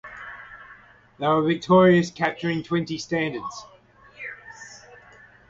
They were victorious, capturing twenty standards.